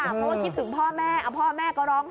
เพราะว่าคิดถึงพ่อแม่พ่อแม่ก็ร้องไห้